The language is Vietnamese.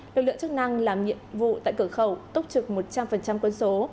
lực lượng chức năng làm nhiệm vụ tại cửa khẩu túc trực một trăm linh quân số